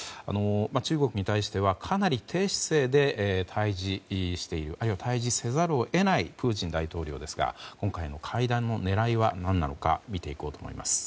中国に対してはかなり低姿勢で対峙しているあるいは対峙せざるを得ないプーチン大統領ですが今回の会談の狙いは何なのか見ていこうと思います。